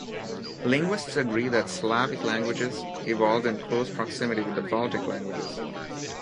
Linguists agree that Slavic languages evolved in close proximity with the Baltic languages.